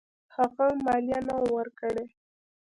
هغه مالیه نه وه ورکړې.